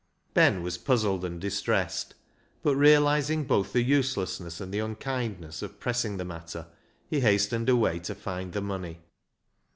Ben was puzzled and distressed, but realising both the uselessness and the unkindness of pressing the matter, he hastened away to find the money.